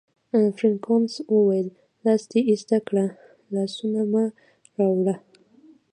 فرګوسن وویل: لاس دي ایسته کړه، لاسونه مه راوهه.